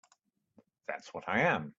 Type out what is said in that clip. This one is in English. That's what I am.